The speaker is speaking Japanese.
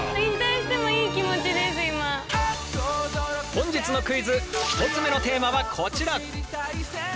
本日のクイズ１つ目のテーマはこちら。